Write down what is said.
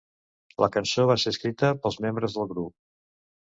La cançó va ser escrita pels membres del grup.